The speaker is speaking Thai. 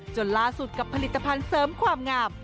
จนล่าสุดกับผลิตภัณฑ์เสริมความงาม